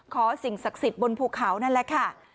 สิ่งศักดิ์สิทธิ์บนภูเขานั่นแหละค่ะ